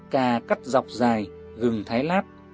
cà cắt dọc dài gừng thái lát